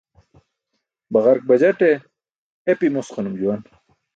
Baġark bajate epi mosqanum juwan.